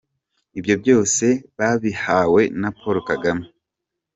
Ibyo byose babihawe na Paul Kagame.